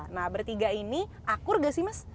nah bertiga ini akur gak sih mas